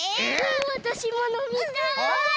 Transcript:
わたしものみたい！